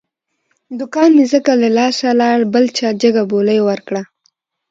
دوکان مې ځکه له لاسه لاړ، بل چا جگه بولۍ ور کړه.